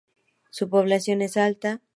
Su población es alta.